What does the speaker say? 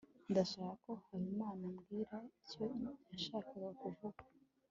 ndashaka ko habimana ambwira icyo yashakaga kuvuga